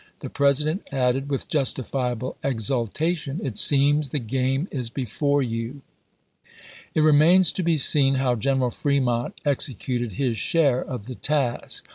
The President added, with vo^Lxii.. justifiable exultation, "It seems the game is be Part III.,' p „ pp. 291, 292. tore you." It remains to be seen how Greneral Fremont ex ecuted his share of the task.